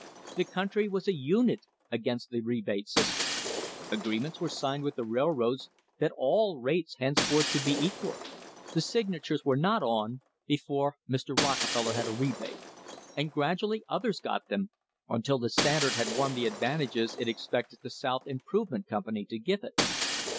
The country was a unit against the rebate system. Agreements were signed with the railroads that all rates henceforth should be equal. The signatures were not on before Mr. Rockefeller had a rebate, and gradually others got them until the Standard had won the advantages CONCLUSION it expected the South Improvement Company to give it.